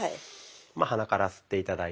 鼻から吸って頂いて。